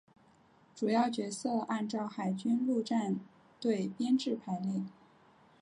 主要角色按照海军陆战队编制排列。